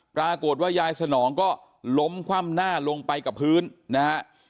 ปรากฏว่ายายสนองก็ล้มคว่ำหน้าลงไปกับพื้นนะฮะ